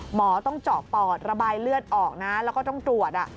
หมอต้องเจาะปอดระบายเลือดออกนะแล้วก็ต้องตรวจ